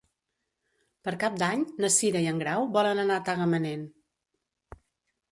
Per Cap d'Any na Cira i en Grau volen anar a Tagamanent.